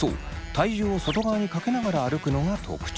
体重を外側にかけながら歩くのが特徴。